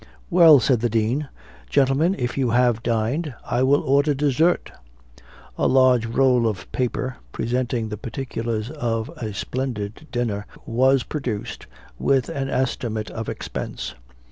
"Well," said the Dean, "gentlemen, if you have dined, I will order dessert." A large roll of paper, presenting the particulars of a splendid dinner, was produced, with an estimate of expense.